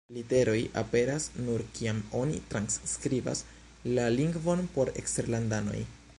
Literoj aperas, nur kiam oni transskribas la lingvon por eksterlandanoj.